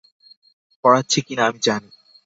পড়াচ্ছি কিনা, আমি জানি।